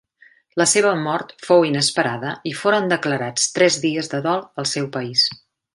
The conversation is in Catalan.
La seva mort fou inesperada i foren declarats tres dies de dol al seu país.